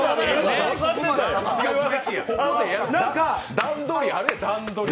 段取り、やれよ、段取り。